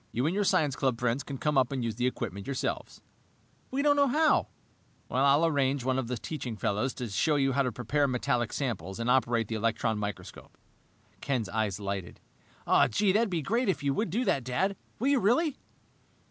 You and your science club friends can come up and use the equipment yourselves." "We don't know how!" "I'll arrange for one of the teaching fellows to show you how to prepare metallic samples and operate the electron microscope." Ken's eyes lighted. "Gee, that would be great if you would do that, Dad! Will you, really?"